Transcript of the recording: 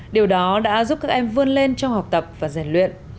điều đó đã giúp các em vươn lên trong học tập và giàn luyện